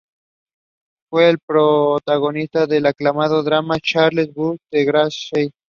Fue el protagonista del aclamado drama de Charles Burnett, "The Glass Shield".